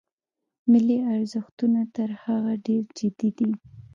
ملي ارزښتونه تر هغه ډېر جدي دي.